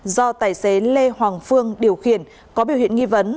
do tài xế lê hoàng phương điều khiển có biểu hiện nghi vấn